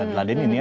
dan beladin ini ya